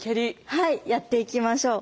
はいやっていきましょう。